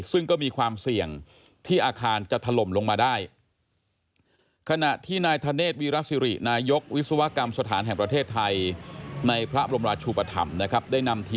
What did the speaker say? ซึ่งก็มีความเสี่ยงที่อาคารจะถล่มลงมาได้